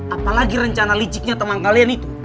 apalagi rencana liciknya teman kalian itu